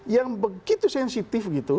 yang begitu sensitif